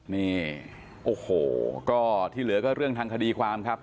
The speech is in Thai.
นี่โอ้โหก็ที่เหลือก็เรื่องทางคดีความครับ